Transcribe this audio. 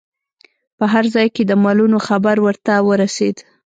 په هر ځای کې د مالونو خبر ورته ورسید.